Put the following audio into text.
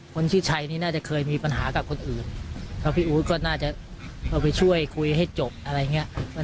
เป็นคนชื่อชัยนี่น่าจะเคยมีปัญหากับคนอื่นก็น่าจะเขาไปช่วยคุยให้จบอะไรนี้